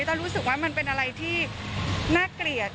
ต้องรู้สึกว่ามันเป็นอะไรที่น่าเกลียด